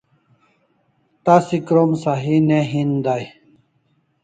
Tasi krom sahi ne hin day